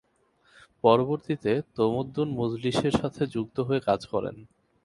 পরবর্তীতে তমদ্দুন মজলিসের সাথে যুক্ত হয়ে কাজ করেন।